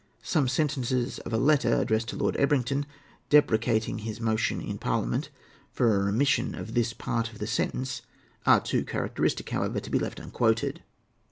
Some sentences of a letter addressed to Lord Ebrington, deprecating his motion in Parliament for a remission of this part of the sentence, are too characteristic, however, to be left unquoted.